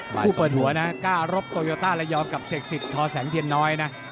ผู้เปิดหัวนะกล้ารบโตโยต้าระยองกับเสกสิทธอแสงเทียนน้อยนะ